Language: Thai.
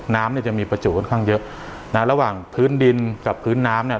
น้ำเนี่ยจะมีประจุค่อนข้างเยอะนะระหว่างพื้นดินกับพื้นน้ำเนี่ย